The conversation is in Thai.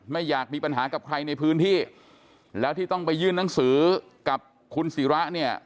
ไม่อยากมีปัญหากับใครในพื้นที่แล้วที่ต้องไปยื่นหนังสือกับคุณศิระเนี่ย